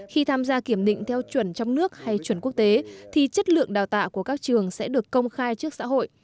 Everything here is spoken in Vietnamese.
khi tham gia kiểm định theo chuẩn trong nước hay chuẩn quốc tế thì chất lượng đào tạo của các trường sẽ được công khai trước xã hội